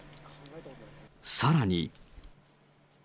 さらに。